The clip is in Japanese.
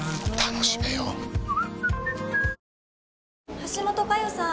橋本加代さん。